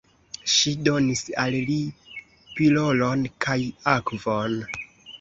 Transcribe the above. Ŝi donis al li pilolon kaj akvon.